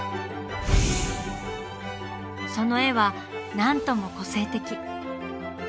その絵は何とも個性的。